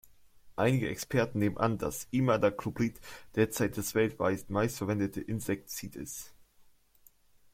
Einige Experten nehmen an, dass Imidacloprid derzeit das weltweit meistverwendete Insektizid ist.